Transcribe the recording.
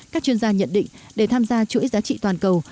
các chuyên gia nhận định để tham gia chuỗi giá trị toàn cầu